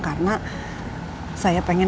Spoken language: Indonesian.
karena saya pengen